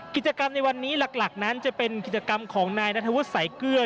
กิจกรรมในวันนี้หลักนั้นจะเป็นกิจกรรมของนายนัทวุฒิสายเกลือ